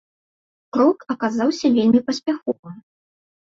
Крок аказаўся вельмі паспяховым.